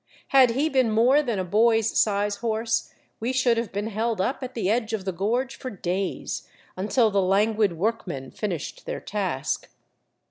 Had he been more than a boy's size horse, we should have been held up at the edge of the gorge for days, until the languid workmen finished their task.